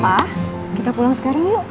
pak kita pulang sekarang yuk